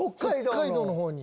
北海道の方に。